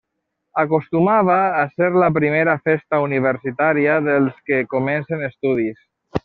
Acostumava a ser la primera festa universitària dels que comencen estudis.